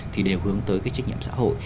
thì đều hướng tới cái trách nhiệm xã hội